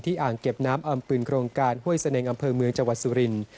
อ่างเก็บน้ำอำปืนโครงการห้วยเสนงอำเภอเมืองจังหวัดสุรินทร์